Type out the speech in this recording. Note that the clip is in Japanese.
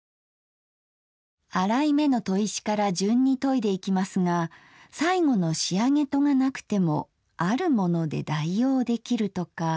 粗い目の砥石から順に研いでいきますが最後の仕上げ砥がなくても「あるもの」で代用できるとか。